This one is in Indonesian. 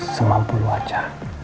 semampu lu aja